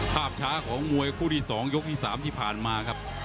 ภาพช้าของมวยคู่ที่๒ยกที่๓ที่ผ่านมาครับ